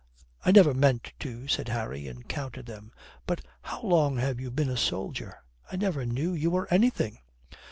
"I never meant to," said Harry, and counted them. "But how long have you been a soldier? I never knew you were anything."